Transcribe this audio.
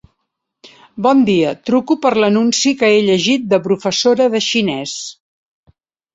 Bon dia, truco per l'anunci que he llegit de professora de xinès.